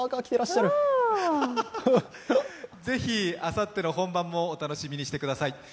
ぜひあさっての本番もお楽しみにしてください。